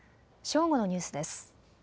正午のニュースです。